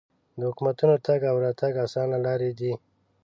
د حکومتونو تګ او راتګ اسانه لارې دي.